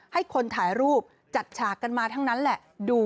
ให้คนถ่ายรูปจัดฉากกันมาทั้งนั้นแหละดู